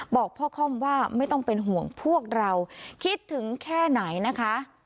บอกพ่อค่อมว่าไม่ต้องเป็นห่วงพวกเราคิดถึงแค่ไหนนะคะ